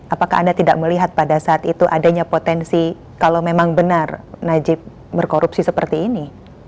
apakah anda tidak melihat pada saat itu adanya potensi kalau memang benar najib berkorupsi seperti ini